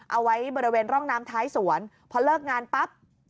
เอาไว้บริเวณร่องน้ำท้ายสวนพอเลิกงานปั๊บ